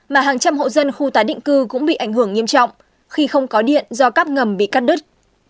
mà hàng trăm hộ dân khu tái định cư cũng bị ảnh hưởng nghiêm trọng khi không có điện do các ngầm bị cắt đứt